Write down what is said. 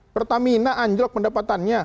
pertamina anjlok pendapatannya